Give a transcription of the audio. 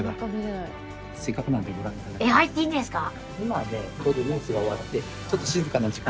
えっ入っていいんですか！？